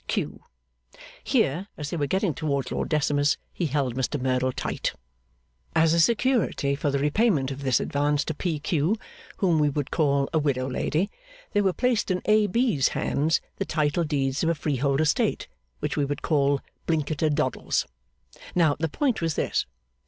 Q. (Here, as they were getting towards Lord Decimus, he held Mr Merdle tight.) As a security for the repayment of this advance to P. Q. whom we would call a widow lady, there were placed in A. B.'s hands the title deeds of a freehold estate, which we would call Blinkiter Doddles. Now, the point was this.